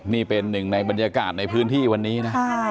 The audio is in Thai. นี่เป็นหนึ่งในบรรยากาศในพื้นที่วันนี้นะ